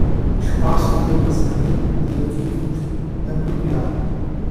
Espaço de armazenamento de arquivos apropriado